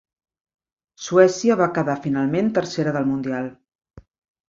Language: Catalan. Suècia va quedar finalment tercera del Mundial.